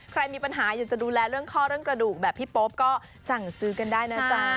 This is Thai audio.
ใครมีปัญหาอยากจะดูแลเรื่องข้อเรื่องกระดูกแบบพี่โป๊ปก็สั่งซื้อกันได้นะจ๊ะ